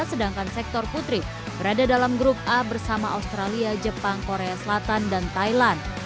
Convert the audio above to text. sedangkan sektor putri berada dalam grup a bersama australia jepang korea selatan dan thailand